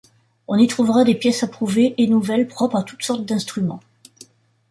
On y trouvera des pièces approuvées & nouvelles, propres à toutes sortes d’Instrumens.